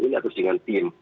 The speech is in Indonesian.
ini harus dengan tim